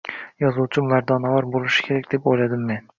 Yozuvchi mardonavor boʻlishi kerak, deb oʻyladim men